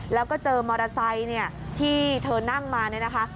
แล้วก็เจอมอเตอร์ไซค์เนี่ยที่เธอนั่งมาเนี่ยนะคะ